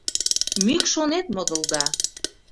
Мӱкш онет модылда.